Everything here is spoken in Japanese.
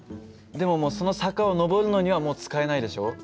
でも坂を上るのにはもう使えないでしょ？